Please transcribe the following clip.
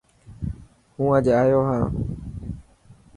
هون اڄ آيو هان.